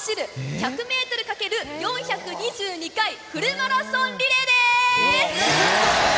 １００メートル×４２２回フルマラソンリレーです！